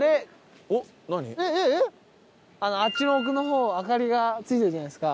あっちの奧の方明かりがついてるじゃないですか。